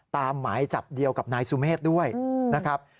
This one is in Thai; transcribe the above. หมายจับเดียวกับนายสุเมฆด้วยนะครับ